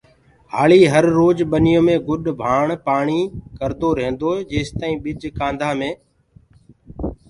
هآݪي هرروج ٻنيو مي گُڏ ڀآڻ پآڻي ڪردو ريهندوئي جيستآئين ٻج ڪآنڌآ مي